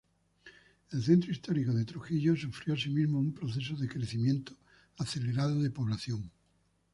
El centro histórico de Trujillo sufrió asimismo un proceso de crecimiento acelerado de población.